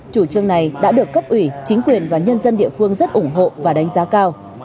chủ trương này đã được cấp ủy chính quyền và nhân dân địa phương rất ủng hộ và đánh giá cao